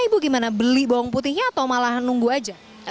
ibu gimana beli bawang putihnya atau malahan nunggu aja